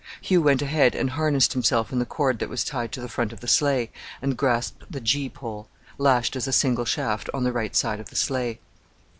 Hugh went ahead and harnessed himself in the cord that was tied to the front of the sleigh, and grasped the "gee pole," lashed as a single shaft on the right side of the sleigh.